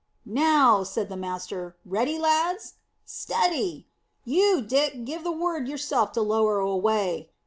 "Now," said the master, "ready, lads? Steady! You, Dick, give the word yourself to lower away."